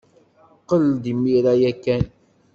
Qqel-d imir-a ya kan.